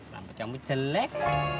rambut kamu jelek